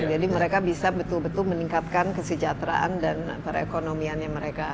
jadi mereka bisa betul betul meningkatkan kesejahteraan dan perekonomiannya mereka